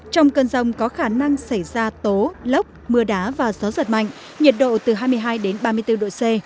trong cơn rông có khả năng xảy ra tố lốc mưa đá và gió giật mạnh nhiệt độ từ hai mươi hai đến ba mươi bốn độ c